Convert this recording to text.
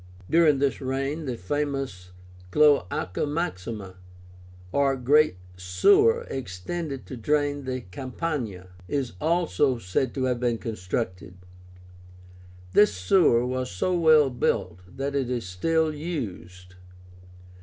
During this reign the famous CLOÁCA MAXIMA, or great sewer intended to drain the Campagna, is also said to have been constructed. This sewer was so well built that it is still used.